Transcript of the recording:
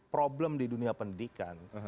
problem di dunia pendidikan